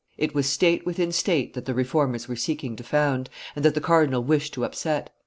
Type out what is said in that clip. It was state within state that the reformers were seeking to found, and that the cardinal wished to upset.